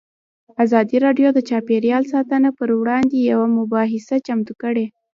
ازادي راډیو د چاپیریال ساتنه پر وړاندې یوه مباحثه چمتو کړې.